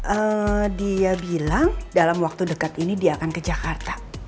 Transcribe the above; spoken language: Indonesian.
eee dia bilang dalam waktu dekat ini dia akan ke jakarta